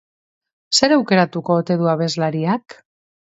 Zer aukeratuko ote du abeslariak?